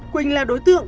quỳnh là đối tượng